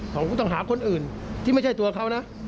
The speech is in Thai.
ของผู้ต้องหาคนอื่นที่ไม่ใช่ตัวเขานะ